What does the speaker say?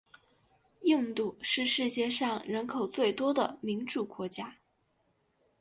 印度是世界上人口最多的民主国家。